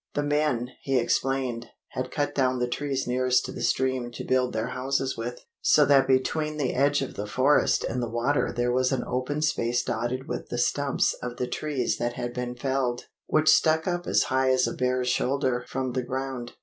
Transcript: The men, he explained, had cut down the trees nearest to the stream to build their houses with, so that between the edge of the forest and the water there was an open space dotted with the stumps of the trees that had been felled, which stuck up as high as a bear's shoulder from the ground.